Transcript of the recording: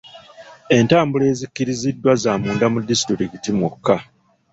Entambula ezikkiriziddwa za munda mu disitulikiti mwokka.